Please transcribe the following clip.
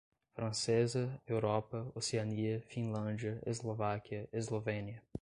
francesa, Europa, Oceania, Finlândia, Eslováquia, Eslovênia